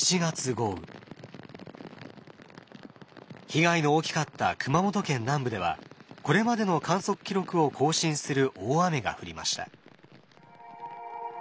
被害の大きかった熊本県南部ではこれまでの観測記録を更新する大雨が降りました。